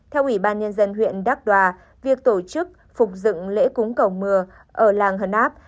theo ủy ban nhân dân huyện đắc đoa việc tổ chức phục dựng lễ cúng cầu mưa ở làng hờn áp